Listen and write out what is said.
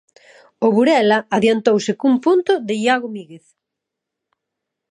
O Burela adiantouse cun punto de Iago Míguez.